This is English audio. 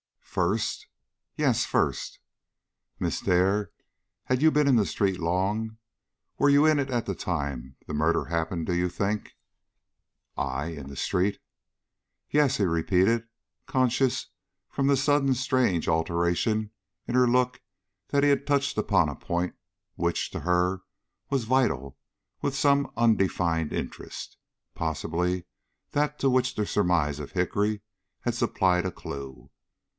"First?" "Yes, first." "Miss Dare, had you been in the street long? Were you in it at the time the murder happened, do you think?" "I in the street?" "Yes," he repeated, conscious from the sudden strange alteration in her look that he had touched upon a point which, to her, was vital with some undefined interest, possibly that to which the surmises of Hickory had supplied a clue.